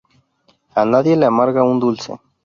A nadie le amarga un dulce